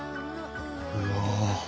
うわ！